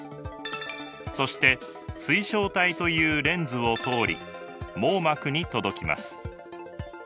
そして水晶体というレンズを通り網膜に届きます。